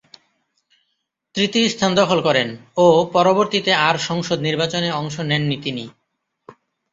তৃতীয় স্থান দখল করেন ও পরবর্তীতে আর সংসদ নির্বাচনে অংশ নেননি তিনি।